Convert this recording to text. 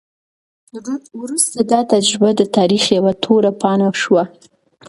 وروسته دا تجربه د تاریخ یوه توره پاڼه شوه.